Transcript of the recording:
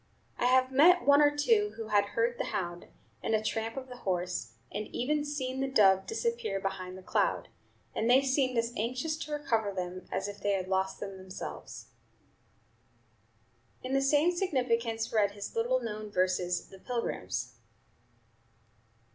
I have met one or two who had heard the hound, and the tramp of the horse, and even seen the dove disappear behind the cloud; and they seemed as anxious to recover them as if they had lost them themselves." In the same significance read his little known verses, "The Pilgrims."